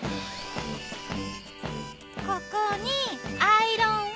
ここにアイロンを。